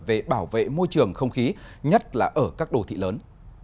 về bảo vệ môi trường không khí nhất là ở các đồ thị lớn